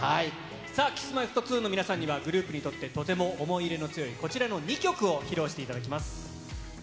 さあ、Ｋｉｓ−Ｍｙ−Ｆｔ２の皆さんには、グループにもとても思い入れの強いこちらの２曲を披露していただきます。